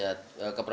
yang dokter sebutkan